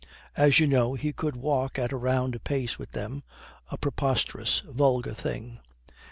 As you know, he could walk at a round pace with them a preposterous, vulgar thing.